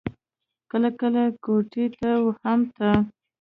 کله کله کوټې ته هم ته.